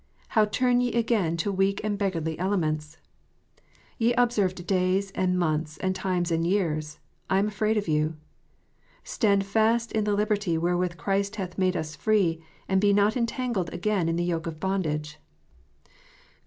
" How turn ye again to weak and beggarly elements?" "Ye observe days, and months, and times, and years. I am afraid of you." " Stand fast in the liberty wherewith Christ hath made us free, and be not entangled again in the yoke of bondage." (Gal.